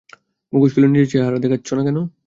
মুখোশ খুলে নিজের চেহারা দেখাচ্ছ না কেন?